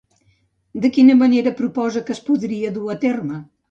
De quina manera proposa que es podria dur a terme?